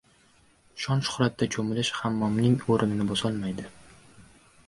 — Shon-shuhratda cho‘milish hammomning o‘rnini bosolmaydi.